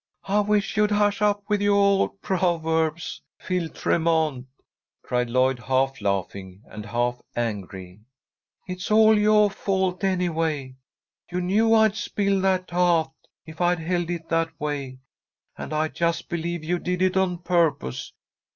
"I wish you'd hush up with yoah old proverbs, Phil Tremont," cried Lloyd, half laughing and half angry. "It's all yoah fault, anyway. You knew I'd spill that taht if I held it that way, and I just believe you did it on purpose.